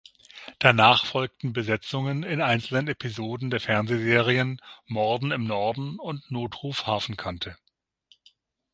Danach folgten Besetzungen in einzelnen Episoden der Fernsehserien "Morden im Norden" und "Notruf Hafenkante".